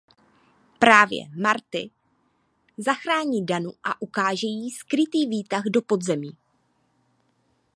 Právě Marty zachrání Danu a ukáže jí skrytý výtah do podzemí.